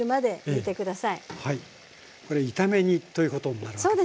これ炒め煮ということになるわけですね。